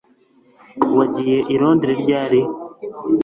Wagiye i Londres ryari